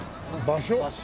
「場所」？